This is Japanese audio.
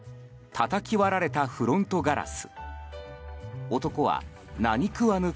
たたき割られたフロントガラス。